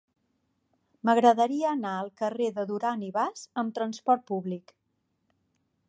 M'agradaria anar al carrer de Duran i Bas amb trasport públic.